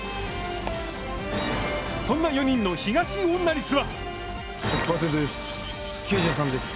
そんな４人の東恩納率は。